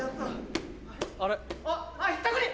あっひったくり！